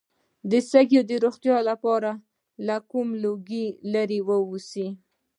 د سږو د روغتیا لپاره له لوګي لرې اوسئ